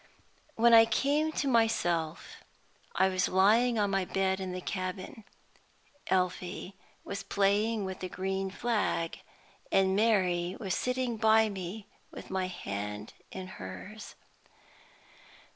When I came to myself I was lying on my bed in the cabin. Elfie was playing with the green flag, and Mary was sitting by me with my hand in hers.